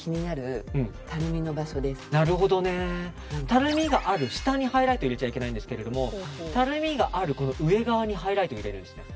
たるみがある下にハイライトを入れちゃいけないんですけどたるみがある上側にハイライトを入れるんですね。